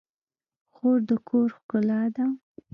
خور د کور ښکلا ده.